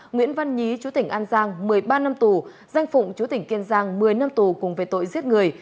nguyễn văn nhí chú tỉnh an giang một mươi ba năm tù danh phụng chú tỉnh kiên giang một mươi năm tù cùng về tội giết người